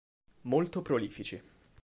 Molto prolifici.